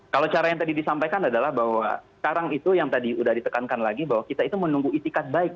kalau cara yang tadi disampaikan adalah bahwa sekarang itu yang tadi sudah ditekankan lagi bahwa kita itu menunggu itikat baik